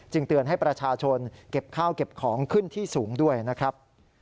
เตือนให้ประชาชนเก็บข้าวเก็บของขึ้นที่สูงด้วยนะครับ